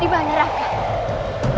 di mana rakyat